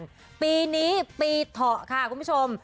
มาใหม่ว่ากันปีนี้ปีเถาค่ะคุณผู้ชม